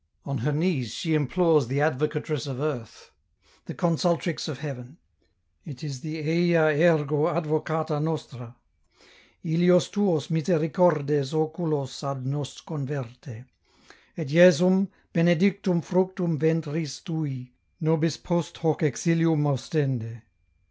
On her knees she implores the Advocatress of earth, the Consultrix of heaven ; it is the " Eia ergo Advocata nostra ; illos tuos misericordes oculos ad nos converte ; et Jesum, benedictum fructum ventris tui, nobis post hoc exihum ostende."